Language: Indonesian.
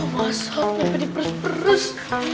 masaknya pedi perus perus